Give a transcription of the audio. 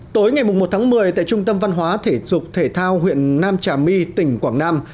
tối ngày một tháng một mươi tại trung tâm văn hóa thể dục thể thao huyện nam trà my tỉnh quảng nam